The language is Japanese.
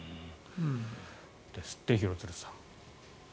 ですって、廣津留さん。